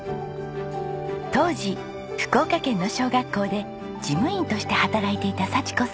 当時福岡県の小学校で事務員として働いていた佐智子さん。